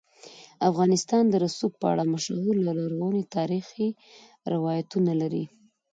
افغانستان د رسوب په اړه مشهور او لرغوني تاریخی روایتونه لري.